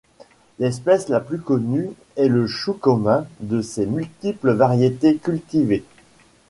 L'espèce la plus connue est le Chou commun et ses multiples variétés cultivées.